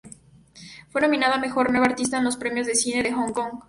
Fue nominada a "Mejor Nueva Artista" en los Premios de Cine de Hong Kong.